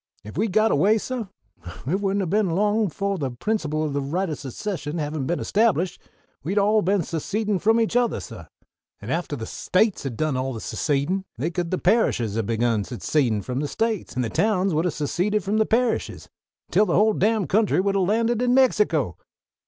"If we'd got away, suh, it wouldn't ha' been long befo' the principle o' the right o' secession havin' been established, we'd all ha' been secedin' from each othah, suh; and after the States had done all the secedin' they could the parishes would ha' begun secedin' from the States; an' the towns would ha' seceded from the parishes until the whole damn country would ha' landed in Mexico!"